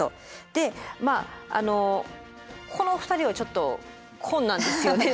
でまああのこの２人はちょっと困難ですよね。